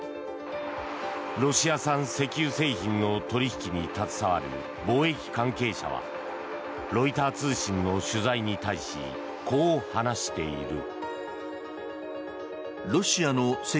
ロシア産石油製品の取引に携わる貿易関係者はロイター通信の取材に対しこう話している。